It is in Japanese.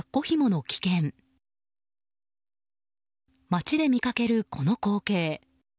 街で見かける、この光景。